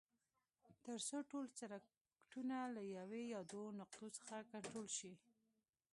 تر څو ټول سرکټونه له یوې یا دوو نقطو څخه کنټرول شي.